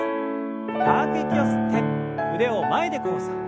深く息を吸って腕を前で交差。